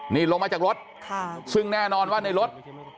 นี่ลงมาจากรถซึ่งแน่นอนว่าในรถ